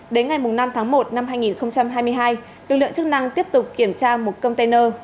đến ngày năm tháng một năm hai nghìn hai mươi hai lực lượng chức năng tiếp tục kiểm tra một container